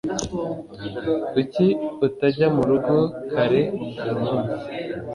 Kuki utajya murugo kare uyu munsi?